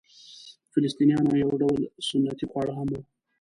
د فلسطنیانو یو ډول سنتي خواړه هم وو.